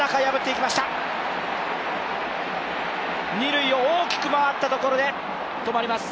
二塁を大きく回ったところで止まります。